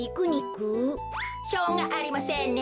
しょうがありませんね。